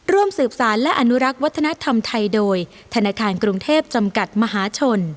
ร่วมสืบสารและอนุรักษ์วัฒนธรรมไทยโดยธนาคารกรุงเทพจำกัดมหาชน